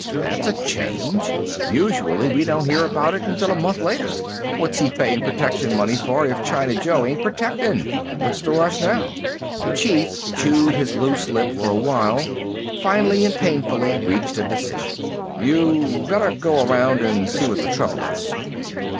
"That's a change. Usually we don't hear about it until a month later. What's he paying protection money for if China Joe ain't protecting? What's the rush now?" The Chief chewed his loose lip for a while, finally and painfully reached a decision. "You better go around and see what the trouble is."